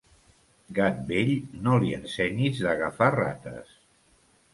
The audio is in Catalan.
Gat vell, no li ensenyis d'agafar rates.